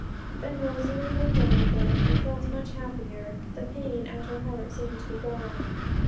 Then Rosalie lay down again, and felt much happier; the pain at her heart seemed to be gone.